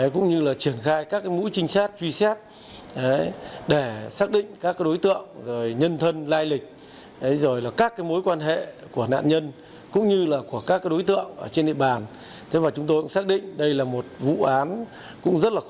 cũng như là triển khai các mũi trinh sát truy xét để xác định các đối tượng